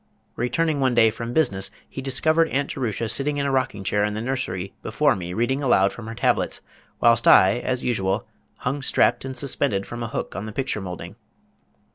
Returning one day from business, he discovered Aunt Jerusha sitting in a rocking chair in the nursery before me reading aloud from her tablets, whilst I, as usual, hung strapped and suspended from a hook on the picture moulding.